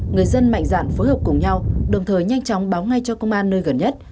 người dân mạnh dạn phối hợp cùng nhau đồng thời nhanh chóng báo ngay cho công an nơi gần nhất